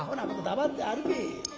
黙って歩け」。